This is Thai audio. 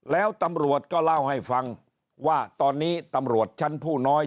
แล้วตำรวจก็เล่าให้ฟังว่าตอนนี้ตำรวจชั้นผู้น้อย